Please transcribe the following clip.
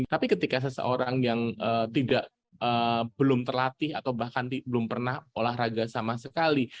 tapi ketika seseorang yang belum terlatih atau bahkan belum pernah olahraga sama sekali